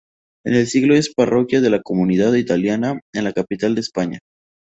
En el siglo es parroquia de la comunidad italiana en la capital de España.